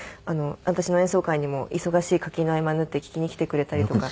私の演奏会にも忙しい合間縫って聴きに来てくれたりとか。